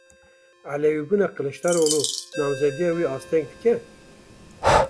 Elewîbûna Kiliçdaroglu namzediya wî asteng dike?